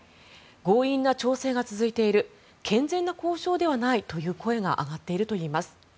強引な調整が続いている健全な交渉ではないという声が上がっています。